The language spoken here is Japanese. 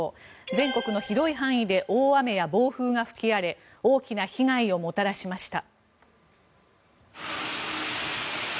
全国の広い範囲で大雨や暴風が吹き荒れ大きな被害をもたらしました。